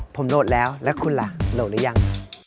ผมโหลดแล้วแล้วคุณล่ะโหลดหรือยัง